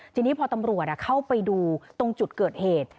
ทีนี้พอตำรวจเข้าไปดูตรงจุดเกิดเหตุ